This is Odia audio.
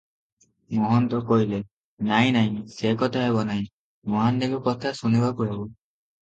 ମହନ୍ତ କହିଲେ, "ନାହିଁ ନାହିଁ, ସେ କଥା ହେବ ନାହିଁ, ମହାନ୍ତିଙ୍କ କଥା ଶୁଣିବାକୁ ହେବ ।"